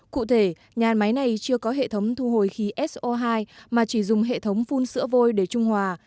cụ thể nhà máy này chưa có hệ thống thu hồi khí so hai mà chỉ dùng hệ thống phun sữa vôi để trung hòa